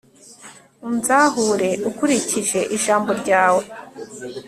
unzahure ukurikije ijambo ryawe